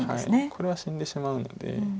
これは死んでしまうので。